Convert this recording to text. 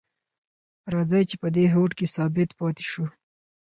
راځئ چې په دې هوډ کې ثابت پاتې شو.